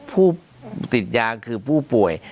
ผู้ติดยาคือผู้ป่วย